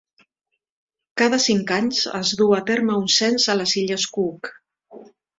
Cada cinc anys es du a terme un cens a les Illes Cook.